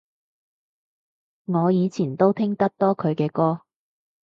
我以前都聽得多佢嘅歌